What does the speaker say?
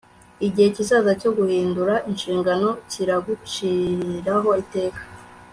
Igihe kizaza cyo guhindura inshingano kiraguciraho iteka